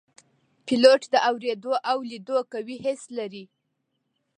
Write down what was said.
پیلوټ د اوریدو او لیدو قوي حس لري.